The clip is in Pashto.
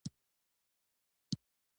ښار لنډه غرو پر بل مفهوم اړولې وه.